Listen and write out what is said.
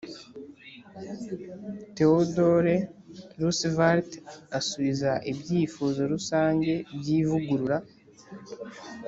theodore roosevelt asubiza ibyifuzo rusange byivugurura